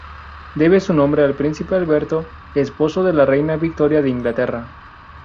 Debe su nombre al príncipe Alberto, esposo de la reina Victoria de Inglaterra.